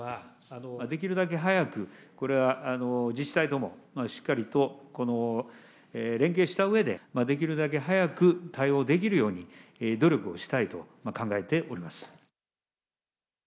できるだけ早く、これは自治体ともしっかりと連携したうえで、できるだけ早く対応できるように、努力をしたいと考えております。